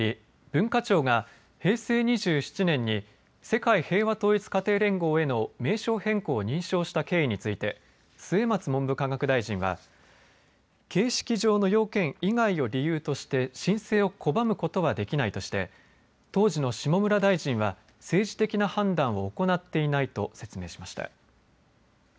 文化庁が平成２７年に世界平和統一家庭連合への名称変更を認証した経緯について末松文部科学大臣は形式上の要件以外を理由として申請を拒むことはできないとして当時の下村大臣は政治的な判断を行っていないと説明しました。